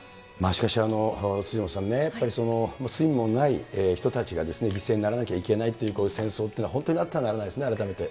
しかし、辻元さんね、罪もない人たちが犠牲にならなきゃいけないっていう、戦争というのは本当にあってはならないですね、改めて。